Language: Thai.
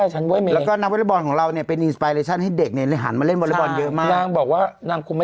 ใช่นะครับเพราะคืออาจจะเป็นครั้งสุดท้ายของเขา